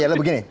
ya lebih gini